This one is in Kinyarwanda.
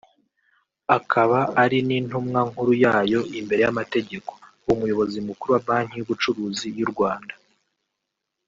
akaba ari n’intumwa nkuru yayo imbere y’amategeko ; Umuyobozi Mukuru wa Banki y’Ubucuruzi y’u Rwanda